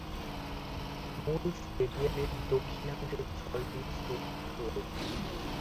মূল স্টেডিয়ামের দক্ষিণাংশে ছয়টি স্যুট রয়েছে।